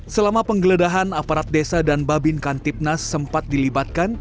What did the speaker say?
selama penggeledahan aparat desa dan babin kantipnas sempat dilibatkan